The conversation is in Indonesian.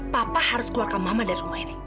papa harus keluarkan mama dari rumah ini